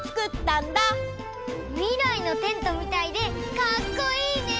みらいのテントみたいでかっこいいね！